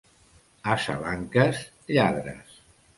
A Salanques, lladres.